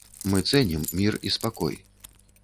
Мы цэнім мір і спакой.